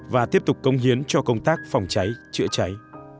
và tiếp tục công hiến cho công tác phòng cháy chữa cháy